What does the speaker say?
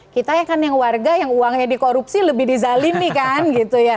kita kan yang warga yang uangnya dikorupsi lebih di zalim nih kan gitu ya